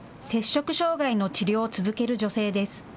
摂食障害の治療を続ける女性です。